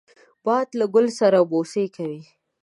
باد له ګل سره بوسې کوي